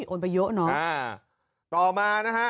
โอนไปเยอะเนอะ